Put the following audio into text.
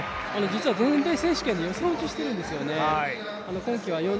実は全米選手権で予選落ちしているんです。